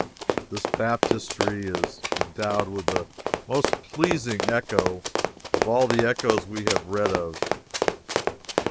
This Baptistery is endowed with the most pleasing echo of all the echoes we have read of.